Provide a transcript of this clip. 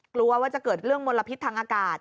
กลัวว่าจะเกิดเรื่องมลพิษทางอากาศ